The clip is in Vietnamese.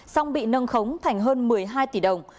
xong bị nâng khống thành hơn một mươi hai tỷ đồng